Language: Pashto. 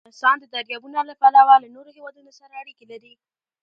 افغانستان د دریابونه له پلوه له نورو هېوادونو سره اړیکې لري.